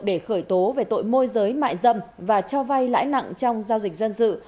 để khởi tố về tội môi giới mại dâm và cho vay lãi nặng trong giao dịch dân sự